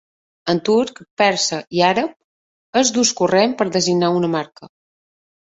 En turc, persa i àrab és d'ús corrent per designar una marca.